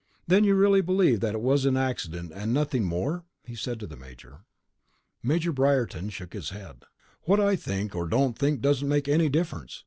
"Then you really believe that it was an accident and nothing more?" he said to the major. Major Briarton shook his head. "What I think or don't think doesn't make any difference.